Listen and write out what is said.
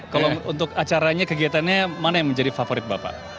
kalau untuk acaranya kegiatannya mana yang menjadi favorit bapak